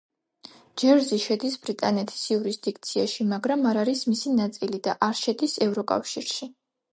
ჯერზი შედის ბრიტანეთის იურისდიქციაში, მაგრამ არ არის მისი ნაწილი და არ შედის ევროკავშირში.